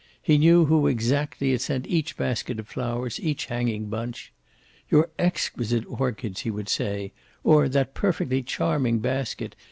He knew who exactly had sent each basket of flowers, each hanging bunch. "Your exquisite orchids," he would say; or, "that perfectly charming basket.